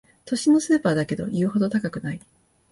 都心のスーパーだけど言うほど高くない